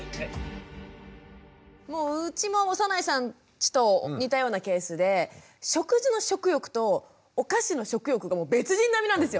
ちと似たようなケースで食事の食欲とお菓子の食欲がもう別人並みなんですよ。